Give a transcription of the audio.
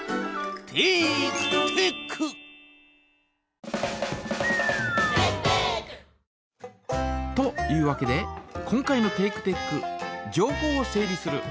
「テイクテック」！というわけで今回のテイクテック「情報を整理する」